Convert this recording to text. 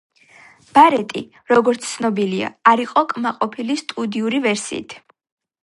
ბარეტი, როგორც ცნობილია, არ იყო კმაყოფილი სტუდიური ვერსიით.